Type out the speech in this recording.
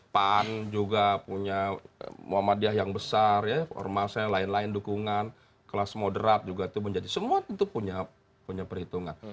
pan juga punya muhammadiyah yang besar ya ormas yang lain lain dukungan kelas moderat juga itu menjadi semua tentu punya perhitungan